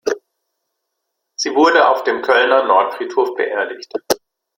Sie wurde auf dem Kölner Nordfriedhof beerdigt.